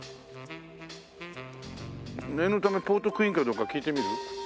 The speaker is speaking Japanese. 念のためポートクイーンかどうか聞いてみる？